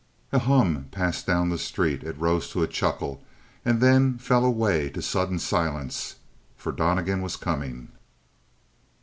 A hum passed down the street; it rose to a chuckle, and then fell away to sudden silence, for Donnegan was coming.